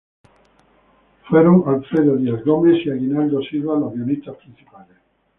Fueron Alfredo Dias Gomes y Aguinaldo Silva los guionistas principales.